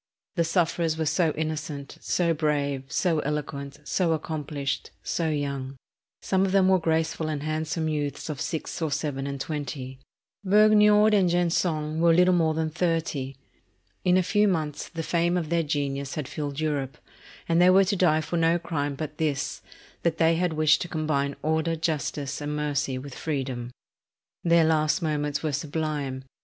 The sufferers were so innocent, so brave, so eloquent, so accomplished, so young. Some of them were graceful and handsome youths of six or seven and twenty. Vergniaud and Gensonne were little more than thirty. In a few months the fame of their genius had filled Europe; and they were to die for no crime but this, that they had wished to combine order, justice, and mercy with freedom." Their last moments were sublime.